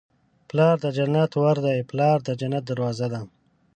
پلار د جنت ور دی. پلار د جنت دروازه ده